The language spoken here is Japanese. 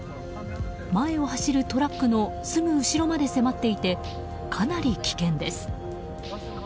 前を走るトラックのすぐ後ろまで迫っていてかなり危険です。